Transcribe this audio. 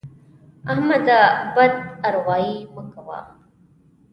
احمده! بد اروايي مه کوه.